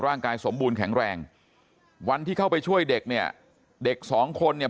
ร่างกายสมบูรณ์แข็งแรงวันที่เข้าไปช่วยเด็กเนี่ยเด็กสองคนเนี่ย